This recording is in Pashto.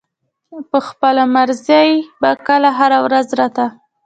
پۀ خپله مرضۍ به کله هره ورځ راتۀ